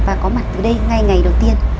và có mặt từ đây ngay ngày đầu tiên